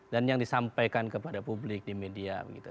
dan yang disampaikan kepada publik di media gitu